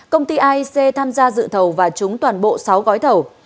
công ty aic tham gia dự thầu và trúng toàn bộ sáu gói thầu